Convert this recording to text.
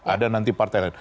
ada nanti partai lain